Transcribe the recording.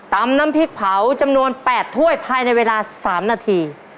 น้ำพริกเผาจำนวน๘ถ้วยภายในเวลา๓นาที